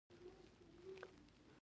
آیا د ایران پښتو راډیو اوریدونکي نلري؟